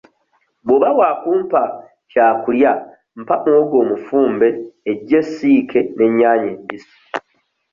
Bw'oba wa kumpa kyakulya mpa muwogo omufumbe eggi essiike n'ennyaanya embisi.